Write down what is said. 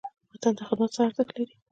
وطن ته خدمت څه ارزښت لري؟